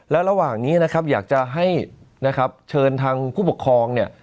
และระหว่างนี้นะครับอยากจะให้นะครับเชิญทางผู้ปกครองเนี่ย